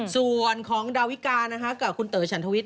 ส่วนของดาวิกานะคะกับคุณเต๋อฉันทวิท